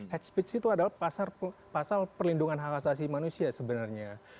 hate speech itu adalah pasal perlindungan hak asasi manusia sebenarnya